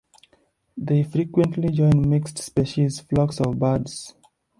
They frequently join mixed-species flocks of birds.